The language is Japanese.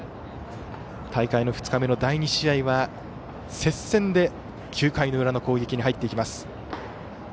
大会の２日目の第２試合は接戦で９回の裏の攻撃に入っていきます。